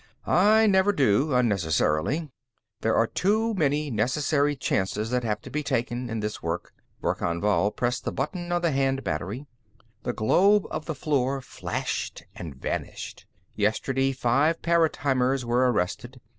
"I never do, unnecessarily. There are too many necessary chances that have to be taken, in this work." Verkan Vall pressed the button on the hand battery. The globe on the floor flashed and vanished. "Yesterday, five paratimers were arrested.